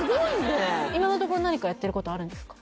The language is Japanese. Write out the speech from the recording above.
今のところ何かやってることあるんですか？